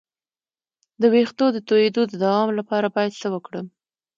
د ویښتو د تویدو د دوام لپاره باید څه وکړم؟